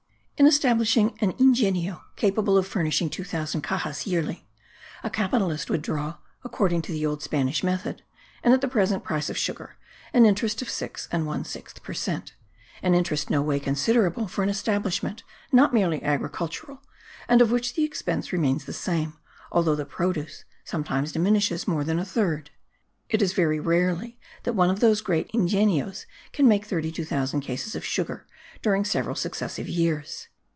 In establishing an yngenio capable of furnishing two thousand caxas yearly, a capitalist would draw, according to the old Spanish method, and at the present price of sugar, an interest of six and one sixth per cent; an interest no way considerable for an establishment not merely agricultural, and of which the expense remains the same, although the produce sometimes diminishes more than a third. It is very rarely that one of those great yngenios can make 32,000 cases of sugar during several successive years.